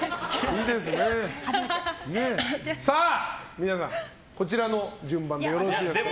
皆さん、こちらの順番でよろしいですか？